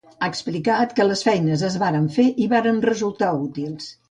Ha explicat que les feines es varen fer i varen resultar útils.